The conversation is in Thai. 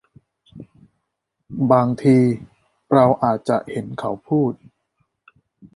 บางที เราอาจจะเห็นเขาพูด